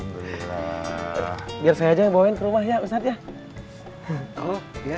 biar saya aja yang bawain ke rumah ya ustadz